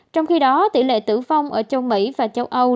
trong khi đó tỷ lệ tử vong ở châu mỹ và châu âu